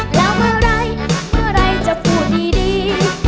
แล้วเมื่อไหร่เมื่อไหร่จะพูดดี